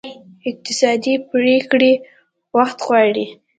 اقتصادي پرېکړې وخت غواړي.